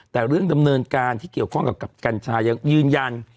แต่เรื่องกับกันชายนักดำเนินการยืนยัน